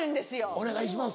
お願いします。